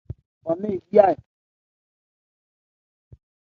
Bán-nne nmyɔ́ ɛ ?